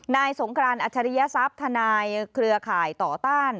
สงครานอัจฉริยทรัพย์ทนายเครือข่ายต่อต้าน